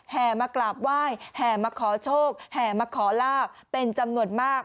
แห่มากราบไหว้แห่มาขอโชคแห่มาขอลาบเป็นจำนวนมาก